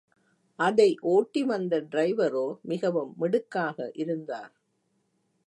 அதை ஒட்டி வந்த டிரைவரோ மிகவும் மிடுக்காக இருந்தார்.